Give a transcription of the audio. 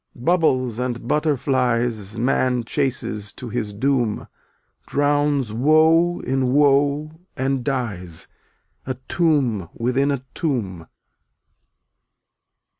Bubbles and butterflies Man chases to his doom, Drowns woe in woe, and dies — A tomb within a tomb.